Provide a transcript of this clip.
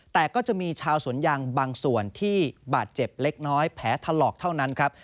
แต่ก็จะมีชาวสวนยางบางส่วนที่บาดเจ็บเล็กน้อยแผลถลอกเท่านั้นครับ